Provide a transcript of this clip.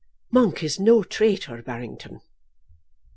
"Monk is no traitor, Barrington."